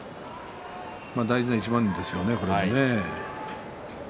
大事な一番ですよね、これはね。